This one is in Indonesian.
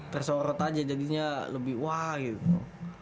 tersorot aja jadinya lebih wah gitu